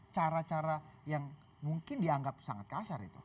cara cara yang mungkin dianggap sangat kasar itu